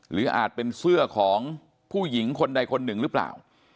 อาจเป็นเสื้อของผู้หญิงคนใดคนหนึ่งหรือเปล่า